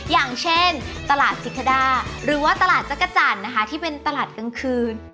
อย่างเช่นตลาดสิทธดาหรือว่าตลาดจักรจันทร์นะคะที่เป็นตลาดกลางคืน